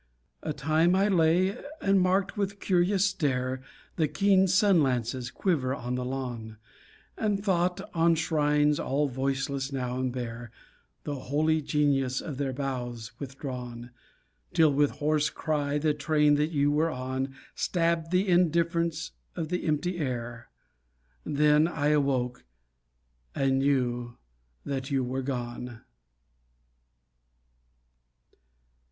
A time I lay and marked with curious stare The keen sun lances quiver on the lawn, And thought on shrines all voiceless now and bare, The holy genius of their boughs withdrawn, Till with hoarse cry the train that you were on Stabbed the indifference of the empty air ... Then I awoke and knew that you were gone.